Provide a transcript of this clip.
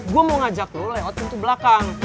gue mau ngajak lo lewat pintu belakang